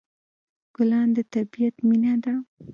ګلان د طبیعت مینه ده.